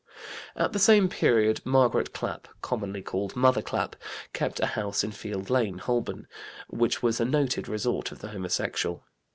At the same period Margaret Clap, commonly called Mother Clap, kept a house in Field Lane, Holborn, which was a noted resort of the homosexual.